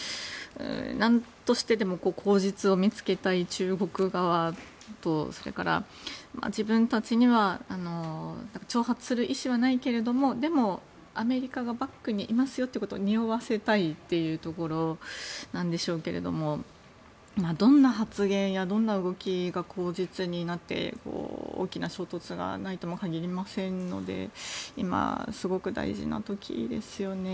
なんとしてでも口実を見つけたい中国側とそれから、自分たちには挑発する意思はないけれどもでも、アメリカがバックにいますよっていうことをにおわせたいというところなんでしょうけれどもどんな発言やどんな動きが口実になって大きな衝突がないとも限りませんので今、すごく大事な時ですよね。